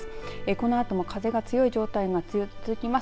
このあとも風が強い状態が続きます。